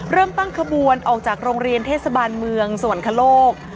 เริ่มตั้งขบวนออกจากโรงเรียนเทศบาลเมืองสวรรคโลก